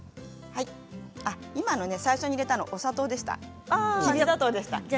今、最初に加えたのはお砂糖でした。